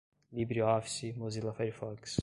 libreoffice, mozilla firefox